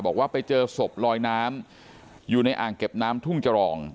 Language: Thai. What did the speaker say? บอกว่าไปเจอศพลอยน้ำอยู่ในอ่างเก็บน้ำทุ่งจรอง